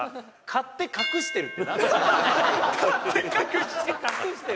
「“買って隠してる”」